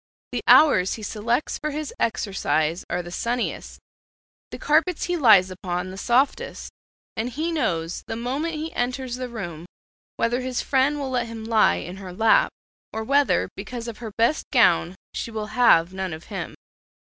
The hours he selects for his exercise are the sunniest; the carpets he lies upon the softest, and he knows the moment he enters the room whether his friend will let him lie in her lap, or whether because of her best gown she will have none of him.